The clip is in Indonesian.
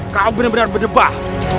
kau benar benar berdebah